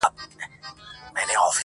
پر تاخچو، پر صندوقونو پر کونجونو.